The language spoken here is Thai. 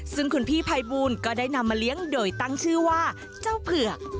ซึ่งคุณพี่ภัยบูลก็ได้นำมาเลี้ยงโดยตั้งชื่อว่าเจ้าเผือก